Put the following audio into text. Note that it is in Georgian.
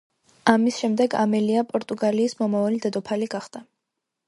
ამის შემდეგ ამელია პორტუგალიის მომავალი დედოფალი გახდა.